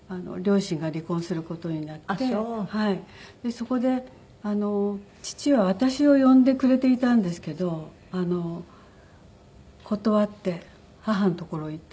そこで父は私を呼んでくれていたんですけど断って母のところへ行ったんですよね。